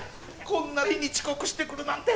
こんな日に遅刻してくるなんて